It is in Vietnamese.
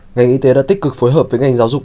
ngành y tế đã tích cực phối hợp với ngành giáo dục